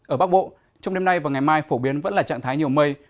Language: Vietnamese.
ở bắc bộ trong đêm nay và ngày mai phổ biến vẫn là trạng thái nhiều mây